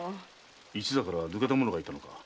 一座から抜けた者がいたのか？